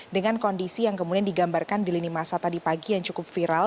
dengan kondisi yang kemudian digambarkan di lini masa tadi pagi yang cukup viral